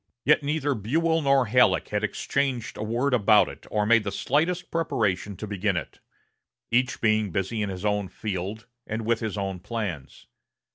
Yet neither Buell nor Halleck had exchanged a word about it, or made the slightest preparation to begin it; each being busy in his own field, and with his own plans.